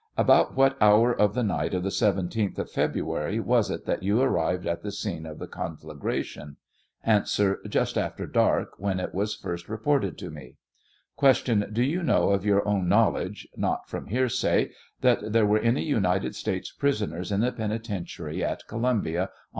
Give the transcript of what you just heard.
About what hour of the night of the 17th of Feb ruary was it that you arrived at the scene of the con flagration ? A. J QSt after dark, when it was first reported to me. Q. Do you know of your own knowledge — not from hearsay — that there were any United States prisoners in the penitentiary at Columbia on.